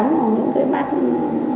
thì cũng có người người ta gửi ở đây